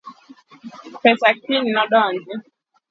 Pesa kiny nodonji